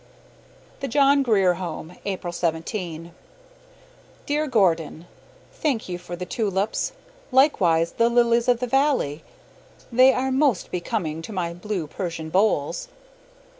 THE JOHN GRIER HOME, April 17. Dear Gordon: Thank you for the tulips, likewise the lilies of the valley. They are most becoming to my blue Persian bowls.